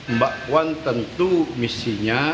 mbak puan tentu misinya